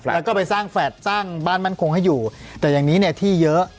แล้วก็ไปสร้างแฟลต์สร้างบ้านมั่นคงให้อยู่แต่อย่างนี้เนี่ยที่เยอะ